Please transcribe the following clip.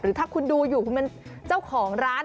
ถ้าคุณดูอยู่คุณเป็นเจ้าของร้าน